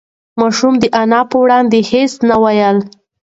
ماشوم د انا په وړاندې هېڅ نه ویل.